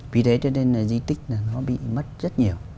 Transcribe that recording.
vì thế cho nên là di tích là nó bị mất rất nhiều